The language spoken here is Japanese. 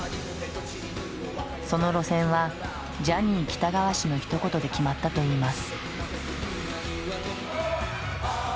その路線はジャニー喜多川氏のひと言で決まったといいます。